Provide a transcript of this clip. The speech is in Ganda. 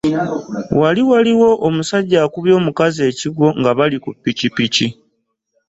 Wali waliwo omusajja okubye omukazi ekigo nga bali ku piki piki.